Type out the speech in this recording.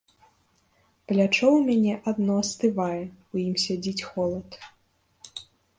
Плячо ў мяне адно астывае, у ім сядзіць холад.